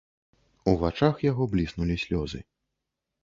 У вачах у яго бліснулі слёзы.